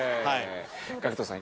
ＧＡＣＫＴさん